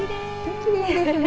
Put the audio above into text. きれいですね。